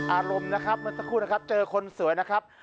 อารมณ์นะครับเมื่อสักครู่นะครับเจอคนสวยนะครับ